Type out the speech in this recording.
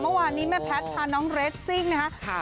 เมื่อวานนี้แม่แพทย์พาน้องเรสซิ่งนะครับ